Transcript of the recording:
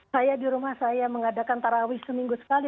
saya di rumah saya mengadakan tarawih seminggu sekali